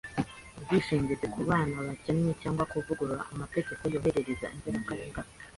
ubwishingizi ku bana bakennye, cyangwa kuvugurura amategeko yohereza inzirakarengane